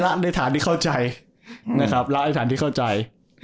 ในฐานที่เข้าใจนะครับแล้วไอ้ฐานที่เข้าใจ